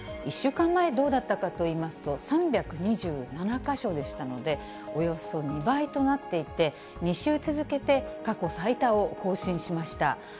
１週間前どうだったかといいますと、３２７か所でしたので、およそ２倍となっていて、２週続けて過去最多を更新しました。